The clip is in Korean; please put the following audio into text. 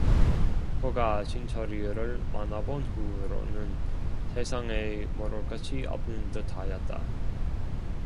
그가 신철이를 만나 본 후로는 세상에 모를 것이 없는 듯하였다.